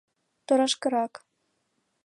Торашкырак!